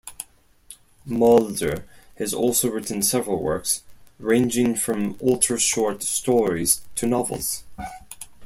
Mulder has also written several works, ranging from ultra-short stories to novels.